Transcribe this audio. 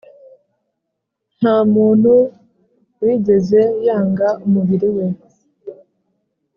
nta muntu wigeze yanga umubiri we